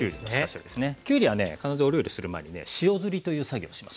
きゅうりはね必ずお料理する前にね塩ずりという作業をします。